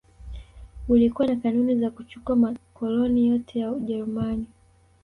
Ulikuwa na kanuni za kuchukua makoloni yote ya Ujerumani